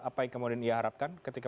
apa yang kemudian ia harapkan ketika